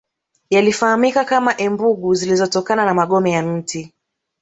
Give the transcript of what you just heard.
Yalifahamika kama embugu zilitokana na magome ya mti